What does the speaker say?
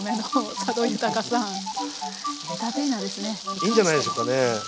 いいんじゃないでしょうかね。